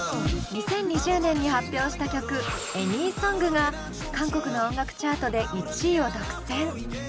２０２０年に発表した曲「ＡｎｙＳｏｎｇ」が韓国の音楽チャートで１位を独占。